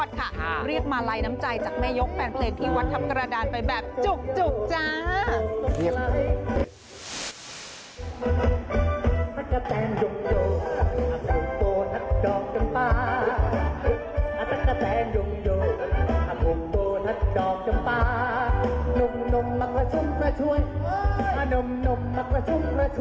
ให้เข้ามาเพื่อโดนกันแต่ว่าท่านมันแค่รอบ